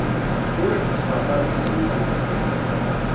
Iwacu ur tetteṭṭfeḍ ara tizmilin?